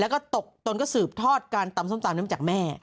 แล้วก็ตกตนก็สืบทอดการตำส้มตำน้ำจากแม่